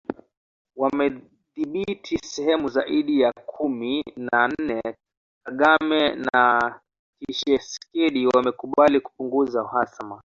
wamedhibithi sehemu zaidi ya kumi na nne Kagame na Tshisekedi wamekubali kupunguza uhasama